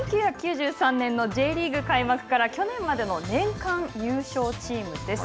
１９９３年のＪリーグ開幕から去年までの年間優勝チームです。